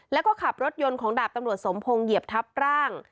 แล้วก็ขับรถยนต์ของดาบตำรวจสมพงศ์เหยียบทับร่าง